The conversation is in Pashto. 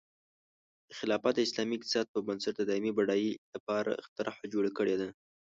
خلافت د اسلامي اقتصاد په بنسټ د دایمي بډایۍ لپاره طرحه جوړه کړې ده.